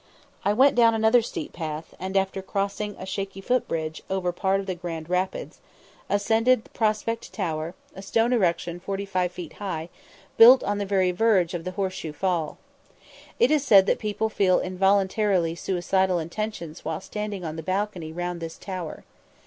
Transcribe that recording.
I went down another steep path, and, after crossing a shaky foot bridge over part of the Grand Rapids, ascended Prospect Tower, a stone erection 45 feet high, built on the very verge of the Horse shoe Fall. It is said that people feel involuntary suicidal intentions while standing on the balcony round this tower.